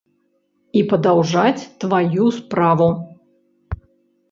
І падаўжаць тваю справу.